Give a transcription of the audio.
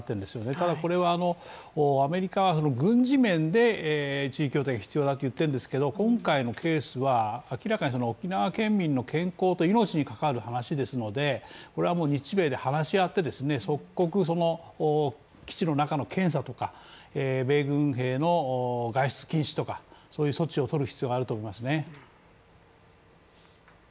ただこれはアメリカはその軍事面で地位協定が必要だって言ってんですけど、今回のケースは明らかに沖縄県民の健康と命に関わる話ですので、これはもう日米で話し合って即刻、基地の中の検査とか米軍兵の外出禁止とか、そういう措置を取る必要があると思いますね。